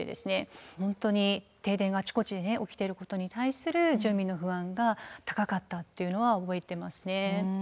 本当に停電があちこちでね起きていることに対する住民の不安が高かったっていうのは覚えてますね。